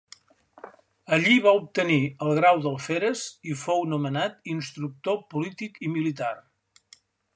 Allí va obtenir el grau d'alferes i fou nomenat instructor polític i militar.